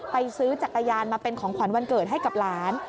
ซื้อจักรยานมาเป็นของขวัญวันเกิดให้กับหลาน